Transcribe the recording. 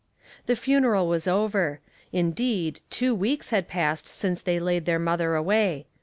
The funeral was over ; indeed, two weeks had passed since they laid their mother away.